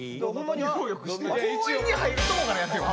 公園に入るとこからやってよ。